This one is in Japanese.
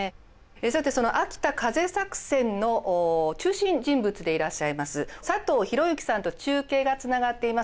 さてその秋田風作戦の中心人物でいらっしゃいます佐藤裕之さんと中継がつながっています。